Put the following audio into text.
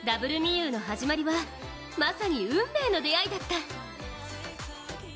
ゆうの始まりはまさに運命の出会いだった。